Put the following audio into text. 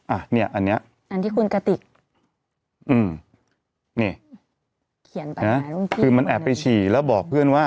อ่ะเนี้ยอันเนี้ยอันที่คุณกติกอืมนี่เขียนไปคือมันแอบไปฉี่แล้วบอกเพื่อนว่า